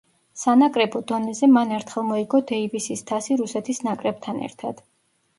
სანაკრებო დონეზე, მან ერთხელ მოიგო დეივისის თასი რუსეთის ნაკრებთან ერთად.